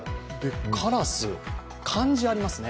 カラス、漢字、ありますね。